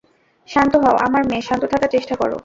শান্ত হও, আমার মেয়ে, শান্ত থাকার চেষ্টা করো।